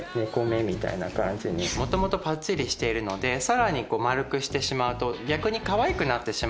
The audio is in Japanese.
もともとぱっちりしているのでさらに丸くしてしまうと逆にかわいくなってしまう。